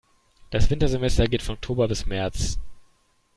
Das Wintersemester geht von Oktober bis März.